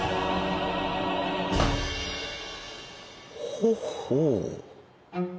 ほほう。